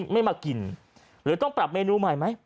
ไม่มากินหรือต้องปรับเมนูใหม่ไหม